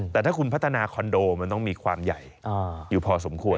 แต่ถ้าคุณพัฒนาคอนโดมันต้องมีความใหญ่อยู่พอสมควร